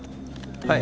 はい。